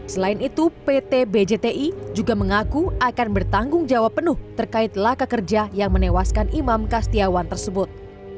selain itu pt bjti juga mengaku akan bertanggung jawab penuh terkait laka kerja yang menewaskan imam kastiawan tersebut